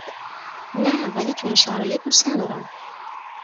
نه، ولی تو این شرایط دوست ندارم